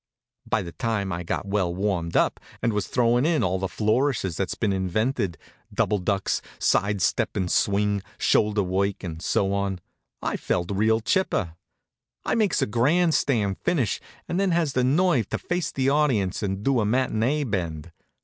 By the time I'd got well warmed up, and was throwin' in all the flourishes that's been invented double ducks, side step and swing, shoulder work, and so on I felt real chipper. I makes a grandstand finish, and then has the nerve to face the audience and do a matinée bend.